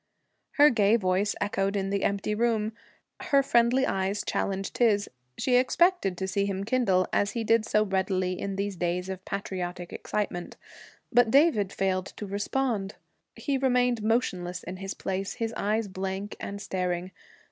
Her gay voice echoed in the empty room. Her friendly eyes challenged his. She expected to see him kindle, as he did so readily in these days of patriotic excitement. But David failed to respond. He remained motionless in his place, his eyes blank and staring.